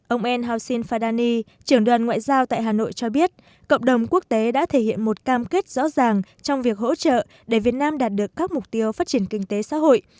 ông en haosn fadani trưởng đoàn ngoại giao tại hà nội cho biết cộng đồng quốc tế đã thể hiện một cam kết rõ ràng trong việc hỗ trợ để việt nam đạt được các mục tiêu phát triển kinh tế xã hội